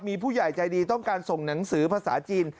มีผู้ใหญ่ใจดีต้องการส่งหนังสือภาษาจีน